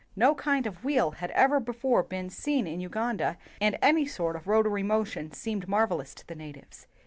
No kind of wheel had ever before been seen in Uganda, and any sort of rotary motion seemed marvelous to the natives.